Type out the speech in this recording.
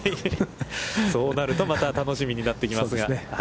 そうなると、また楽しみになってきますが。